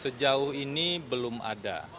sejauh ini belum ada